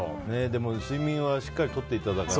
でも睡眠はしっかりとっていただいて。